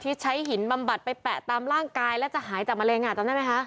ที่ใช้หินบำบัดไปแปะตามร่างกายแล้วจะหายจากมะเร็งอ่ะจำได้ไหมคะ